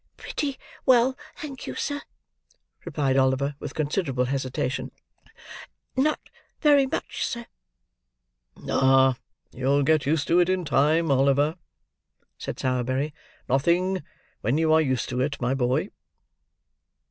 "Pretty well, thank you, sir" replied Oliver, with considerable hesitation. "Not very much, sir." "Ah, you'll get used to it in time, Oliver," said Sowerberry. "Nothing when you are used to it, my boy."